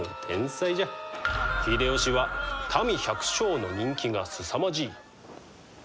秀吉は民百姓の人気がすさまじい。